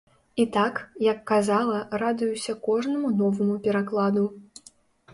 І так, як казала, радуюся кожнаму новаму перакладу.